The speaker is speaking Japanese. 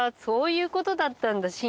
そういうことだったんだ。